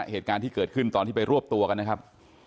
เหตุการณ์ที่เกิดขึ้นตอนที่ไปรวบตัวกันนะครับ